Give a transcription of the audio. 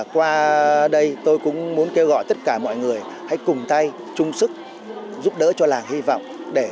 qua đây tôi cũng muốn kêu gọi tất cả mọi người hãy cùng tay chung sức giúp đỡ cho làng hy vọng